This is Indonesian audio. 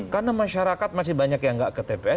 karena masyarakat masih banyak yang nggak ke tps